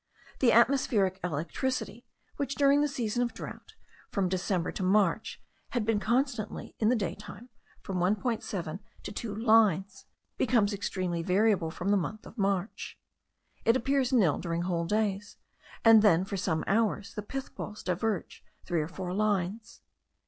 The atmospheric electricity, which, during the season of drought, from December to March, had been constantly, in the day time, from 1.7 to 2 lines, becomes extremely variable from the month of March. It appears nil during whole days; and then for some hours the pith balls diverge three or four lines.